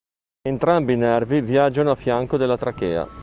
Entrambi i nervi viaggiano a fianco della trachea.